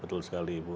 betul sekali bu